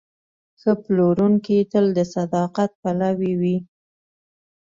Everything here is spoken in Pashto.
ښه پلورونکی تل د صداقت پلوی وي.